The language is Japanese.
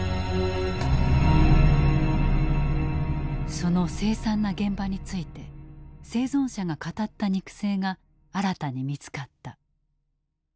その凄惨な現場について生存者が語った肉声が新たに見つかった。